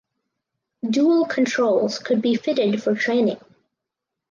Dual controls could be fitted for training.